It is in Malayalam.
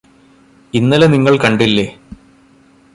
ഇന്നലെ നിങ്ങള് കണ്ടില്ലേ